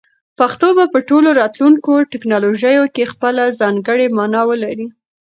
پښتو به په ټولو راتلونکو ټکنالوژیو کې خپله ځانګړې مانا ولري.